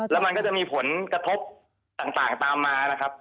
แล้วมันก็จะมีผลกระทบต่างตามมานะครับ